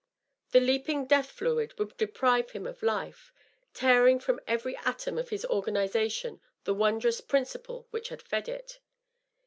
The leaping death fluid would deprive him of life, tearing from every atom of his organization the wondrous prin ciple which had fed it.